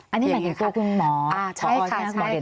อันนี้หมายถึงว่าคุณหมอบอกว่าคุณหมอเด่นทอง